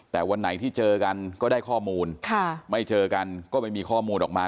แต่วันไหนที่เจอกันก็ได้ข้อมูลไม่เจอกันก็ไม่มีข้อมูลออกมา